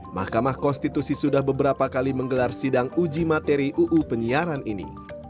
mahkamah konstitusi sudah beberapa kali menggelar sidang uji materi uu penyiaran ini